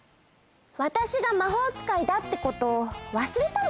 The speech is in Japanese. わたしがまほうつかいだってことをわすれたの？